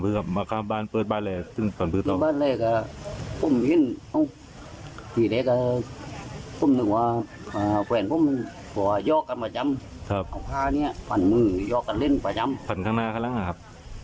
เอาผ้าเนี่ยฟันมือยอกกันเล่นประจำฟันข้างหน้าข้างล่างอ่ะครับ